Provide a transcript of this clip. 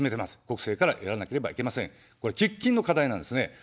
これ、喫緊の課題なんですね。